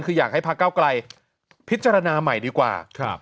คืออยากให้พระเก้าไกลพิจารณาใหม่ดีกว่า